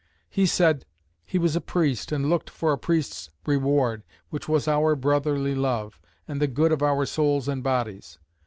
He said; "He was a priest, and looked for a priest's reward; which was our brotherly love, and the good of our souls and bodies."